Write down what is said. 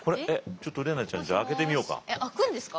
ちょっと怜奈ちゃん開けてみようか。